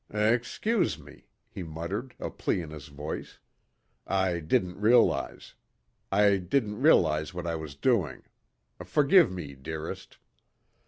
"Excuse me," he muttered, a plea in his voice, "I didn't realize. I didn't realize what I was doing. Forgive me, dearest."